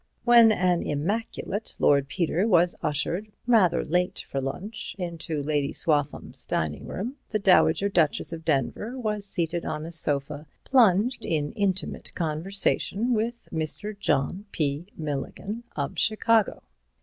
When an immaculate Lord Peter was ushered, rather late for lunch, into Lady Swaffham's drawing room, the Dowager Duchess of Denver was seated on a sofa, plunged in intimate conversation with Mr. John P. Milligan of Chicago.